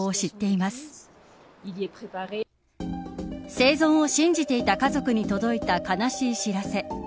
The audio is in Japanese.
生存を信じていた家族に届いた悲しい知らせ。